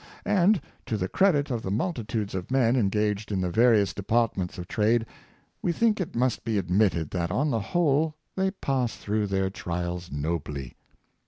And, to the credit of the mul titudes of men engaged in the various departments of trade, we think it must be admitted that on the whole they pass through their trials nobly.